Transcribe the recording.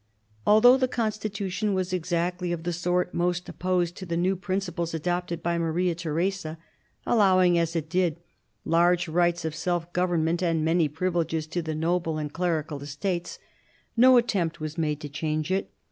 Although the constitution was exactly of the sort most opposed to the new principles adopted by Maria Theresa, allowing, as it did, large rights of self government and many privileges to the noble and clerical estates, no attempt was made to change it.